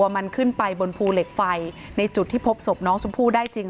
มันขึ้นไปบนภูเหล็กไฟในจุดที่พบศพน้องชมพู่ได้จริง